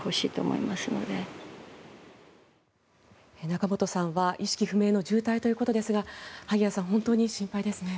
仲本さんは意識不明の重体ということですが萩谷さん、本当に心配ですね。